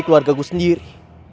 keluarga ku sendiri